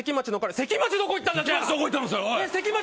関町どこ行ったんだ？